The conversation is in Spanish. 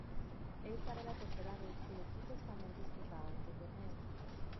Esta era la tercera vez que el equipo español disputaba este torneo.